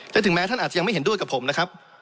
และถึงแม้ท่านอาจจะยังไม่เห็นด้วยกับผมนะครับ